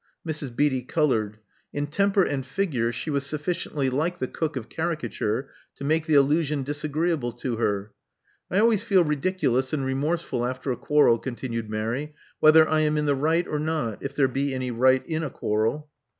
Mrs. Beatty colored. In temper and figure she was sufficiently like the cook of caricature to make the allusion disagreeable to her. •*I always feel ridiculous and remorseful after a quarrel," continued Mary, whether I am in the right or not — if there be any right in a quarrel."